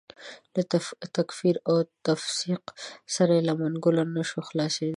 له تکفیر او تفسیق سره یې له منګولو نه شو خلاصېدای.